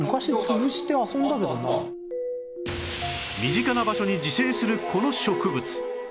身近な場所に自生するこの植物